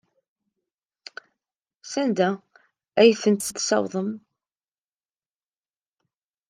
Sanda ay tent-tessawḍem?